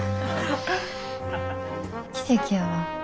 奇跡やわ。